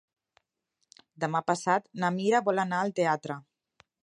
Demà passat na Mira vol anar al teatre.